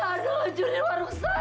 kenapa anda hancur hidup warung saya